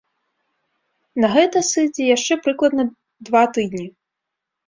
На гэта сыдзе яшчэ прыкладна два тыдні.